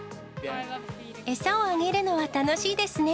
餌をあげるのは楽しいですね。